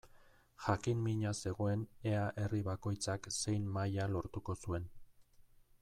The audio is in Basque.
Jakin-mina zegoen ea herri bakoitzak zein maila lortuko zuen.